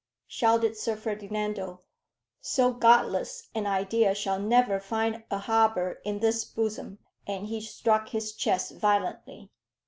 shouted Sir Ferdinando; "so godless an idea shall never find a harbour in this bosom," and he struck his chest violently.